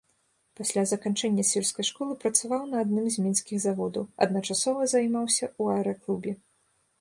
Пасля заканчэння сельскай школы працаваў на адным з мінскіх заводаў, адначасова займаўся ў аэраклубе.